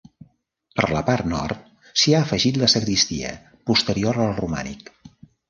Per la part nord s'hi ha afegit la sagristia, posterior al romànic.